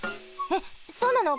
えっそうなの？